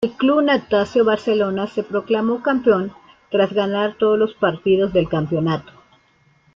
El Club Natació Barcelona se proclamó campeón tras ganar todos los partidos del campeonato.